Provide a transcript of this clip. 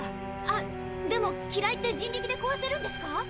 あっでも機雷って人力でこわせるんですか？